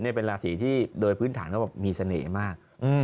นี่เป็นราศีที่โดยพื้นฐานเขาบอกมีเสน่ห์มาก